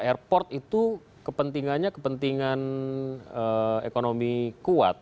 airport itu kepentingannya kepentingan ekonomi kuat